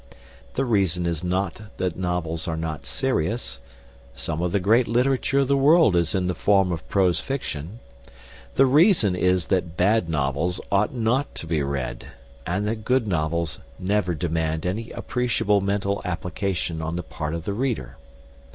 The reason is not that novels are not serious some of the great literature of the world is in the form of prose fiction the reason is that bad novels ought not to be read, and that good novels never demand any appreciable mental application on the part of the reader.